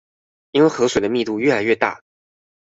因為河水的密度愈來愈大